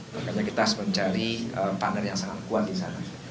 makanya kita harus mencari partner yang sangat kuat di sana